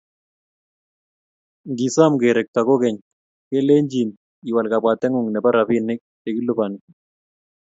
Ngisom kerekto kogey, kelenjin iwal kabwatengung nebo robinik chekilupani